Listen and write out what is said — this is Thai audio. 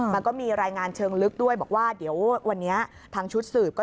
มันก็มีรายงานเชิงลึกด้วยบอกว่าเดี๋ยววันนี้ทางชุดสืบก็